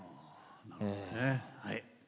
なるほどねはい。